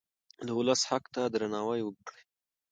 د ولس حق ته درناوی وکړئ.